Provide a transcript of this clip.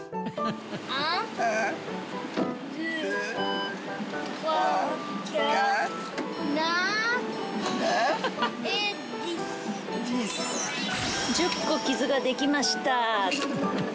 １０個傷ができました。